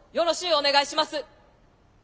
お願いします。